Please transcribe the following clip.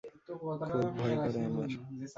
খুব ভয় করে আমার!